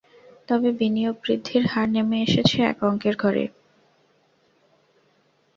তবে বিনিয়োগ বৃদ্ধির হার নেমে এসেছে এক অঙ্কের ঘরে।